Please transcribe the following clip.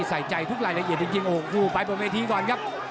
ใส่ใจทุกรายละเอียดจริงโอ้โหไปบนเวทีก่อนครับ